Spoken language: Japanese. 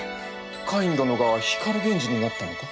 カイン殿が光源氏になったのか？